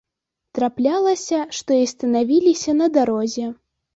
Траплялася, што і станавіліся на дарозе.